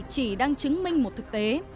chỉ đang chứng minh một thực tế